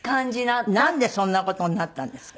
なんでそんな事になったんですか？